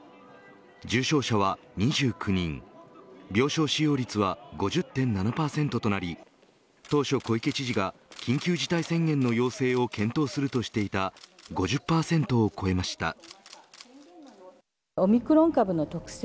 重症者は２９人病床使用率は５０．７％となり当初、小池知事が緊急事態宣言の要請を検討するとしていた５０％を超えました。